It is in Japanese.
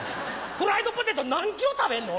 フライドポテト何ｋｍ食べんの？